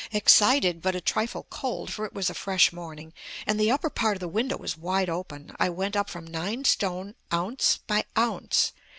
Excited but a trifle cold, for it was a fresh morning, and the upper part of the window was wide open, I went up from nine stone ounce by ounce....